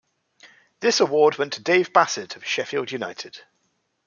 This award went to Dave Bassett of Sheffield United.